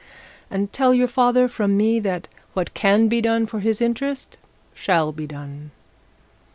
And tell your father from me that what can be done for his interest shall be done.'